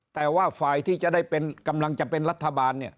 แต่ว่าฝ่ายที่กำลังจะเป็นรัฐบาล